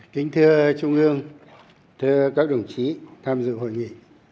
kính thưa trung ương thưa các đồng chí tham dự hội nghị